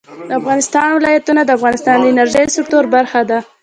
د افغانستان ولايتونه د افغانستان د انرژۍ سکتور برخه ده.